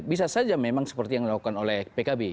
bisa saja memang seperti yang dilakukan oleh pkb